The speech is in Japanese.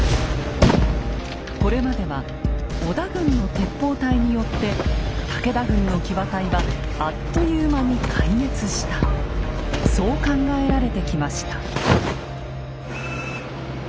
これまでは織田軍の鉄砲隊によって武田軍の騎馬隊はあっという間に壊滅したそう考えられてきました。